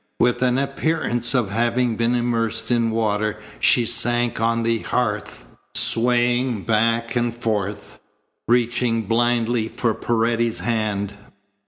With an appearance of having been immersed in water she sank on the hearth, swaying back and forth, reaching blindly for Paredes's hand.